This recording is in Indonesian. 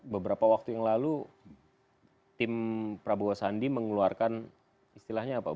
beberapa waktu yang lalu tim prabowo sandi mengeluarkan istilahnya apa